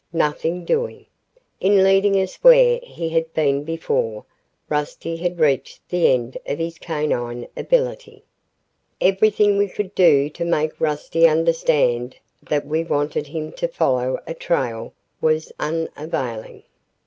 Nothing doing. In leading us where he had been before, Rusty had reached the end of his canine ability. Everything we could do to make Rusty understand that we wanted him to follow a trail was unavailing.